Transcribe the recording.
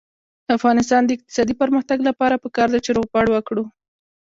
د افغانستان د اقتصادي پرمختګ لپاره پکار ده چې روغبړ وکړو.